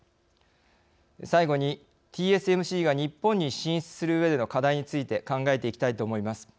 最後にＴＳＭＣが日本に進出するうえでの課題について考えていきたいと思います。